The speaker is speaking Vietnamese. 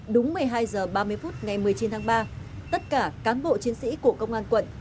đúng một mươi hai h ba mươi phút ngày một mươi chín tháng ba tất cả cán bộ chiến sĩ của công an quận